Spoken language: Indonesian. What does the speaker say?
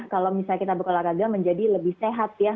kalau misalnya kita berolahraga menjadi lebih sehat ya